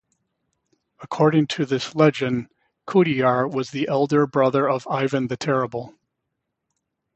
According to this legend, Kudeyar was the elder brother of Ivan the Terrible.